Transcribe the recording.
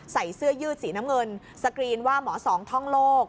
ใส่เสื้อยืดสีน้ำเงินสกรีนว่าหมอสองท่องโลก